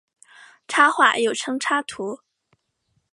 插画又称插图。